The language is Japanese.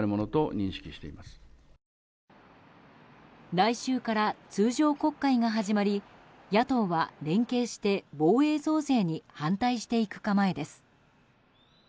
来週から通常国会が始まり野党は連携して防衛増税に反対していく構えです。